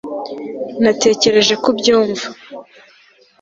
natekereje ko ubyumva